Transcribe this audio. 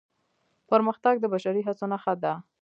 پرمختګ د بشري هڅو نښه ده.